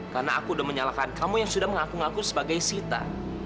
karena aku udah menyalahkan kamu yang sudah mengaku ngaku sebagai sita